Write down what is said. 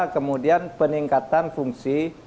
kemudian peningkatan fungsi